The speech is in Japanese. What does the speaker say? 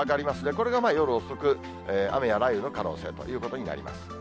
これが夜遅く雨や雷雨の可能性ということになります。